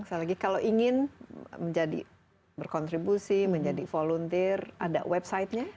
sekali lagi kalau ingin menjadi berkontribusi menjadi volunteer ada websitenya